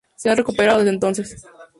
Se ha recuperado desde entonces.